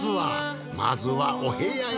まずはお部屋へ。